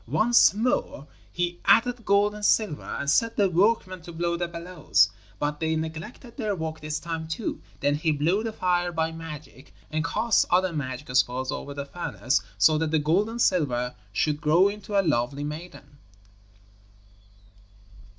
Once more he added gold and silver and set the workmen to blow the bellows, but they neglected their work this time too. Then he blew the fire by magic, and cast other magic spells over the furnace, so that the gold and silver should grow into a lovely maiden.